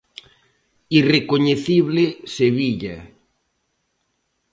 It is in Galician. Irrecoñecible Sevilla.